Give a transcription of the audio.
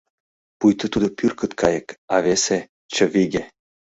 Пуйто тудо пӱркыт кайык, а весе — чывиге!